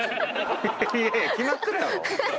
いやいや決まってるやろ。